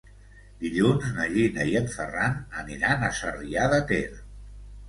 Dilluns na Gina i en Ferran aniran a Sarrià de Ter.